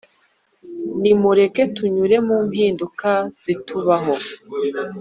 nimureke tunyure mu mpinduka zitubaho